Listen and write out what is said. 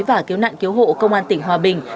và cứu nạn cứu hộ công an tỉnh hòa bình